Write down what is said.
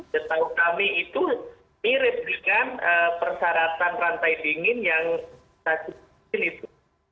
setahu kami itu mirip dengan persyaratan rantai dingin yang sakit itu